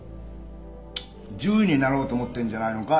獣医になろうと思ってんじゃないのか？